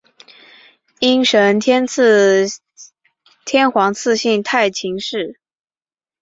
应神天皇赐姓太秦氏。